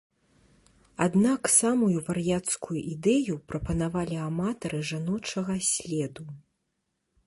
Аднак самую вар'яцкую ідэю прапанавалі аматары жаночага следу.